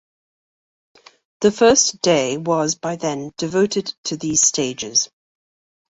The first day was, by then, devoted to these stages.